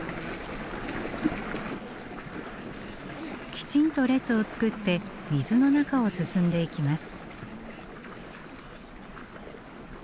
きちんと列を作って水の中を進んでいきます。